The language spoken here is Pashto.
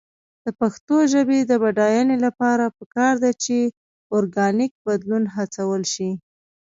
د پښتو ژبې د بډاینې لپاره پکار ده چې اورګانیک بدلون هڅول شي.